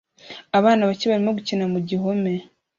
Abana bake barimo gukina mu gihome